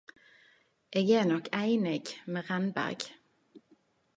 Eg er nok einig med Renberg.